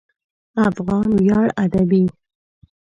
افغان ویاړ ادبي